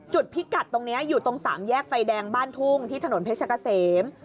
พิกัดตรงนี้อยู่ตรงสามแยกไฟแดงบ้านทุ่งที่ถนนเพชรกะเสม